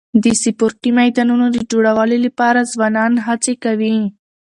د سپورټي میدانونو د جوړولو لپاره ځوانان هڅي کوي.